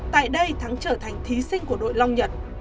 phùng thị thắng trở thành thí sinh của đội long nhật